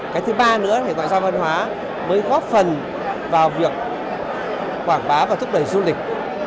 cái thứ ba nữa thì ngoại giao văn hóa mới góp phần vào việc quảng bá và thúc đẩy du lịch